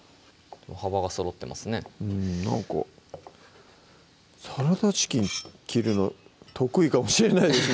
幅がそろってますねなんかサラダチキン切るの得意かもしれないです